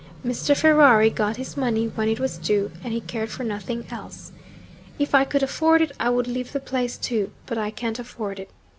'Mr. Ferrari got his money when it was due; and he cared for nothing else. "If I could afford it, I would leave the place too; but I can't afford it."